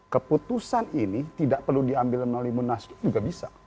keputusan ini tidak perlu diambil melalui munaslup juga bisa